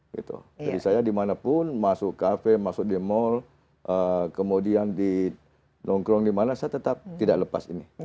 jadi saya dimanapun masuk kafe masuk di mall kemudian di nongkrong dimana saya tetap tidak lepas ini